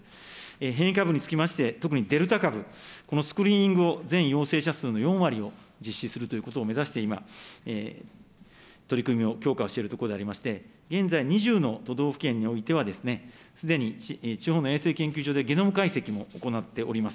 変異株につきまして、特にデルタ株、このスクリーニングを全陽性者数の４割を実施するということを目指して今、取り組みを強化をしているところでありまして、現在、２０の都道府県においては、すでに地方の衛生研究所でゲノム解析も行っております。